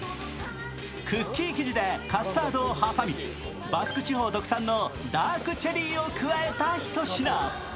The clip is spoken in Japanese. クッキー生地でカスタードを挟みバスク地方特産のダークチェリーを加えたひと品。